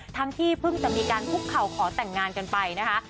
ที่เพิ่งจะมีการคุกเข่าขอแต่งงานกันไปนะคะ